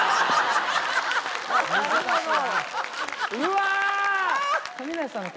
うわ！